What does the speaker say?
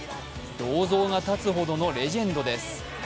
銅像が建つほどのレジェンドです。